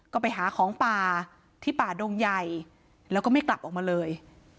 ก็ไปหาของป่าที่ป่าดงใหญ่แล้วก็ไม่กลับออกมาเลย